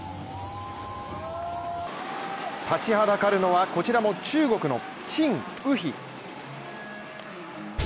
立ちはだかるのはこちらも中国の陳雨菲。